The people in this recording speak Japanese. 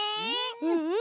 うんうん。